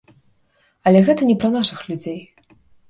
Але гэта не пра нашых людзей.